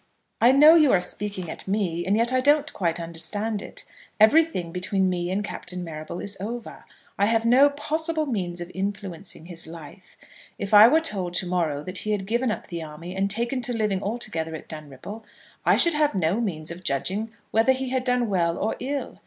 I know you are speaking at me, and yet I don't quite understand it. Everything between me and Captain Marrable is over. I have no possible means of influencing his life. If I were told to morrow that he had given up the army and taken to living altogether at Dunripple, I should have no means of judging whether he had done well or ill.